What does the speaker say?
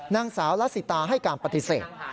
นางสาวละสิตาให้การปฏิเสธ